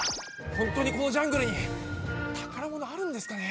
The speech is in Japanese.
本当にこのジャングルに宝物あるんですかね？